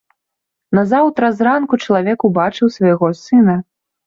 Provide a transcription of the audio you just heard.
Назаўтра зранку чалавек убачыў свайго сына.